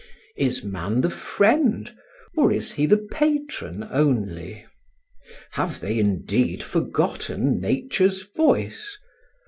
Is man the friend, or is he the patron only? Have they indeed forgotten nature's voice?